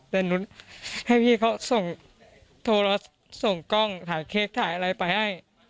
แต่หนูให้พี่เขาส่งโทรศัพท์ส่งกล้องถ่ายเค้กถ่ายอะไรไปให้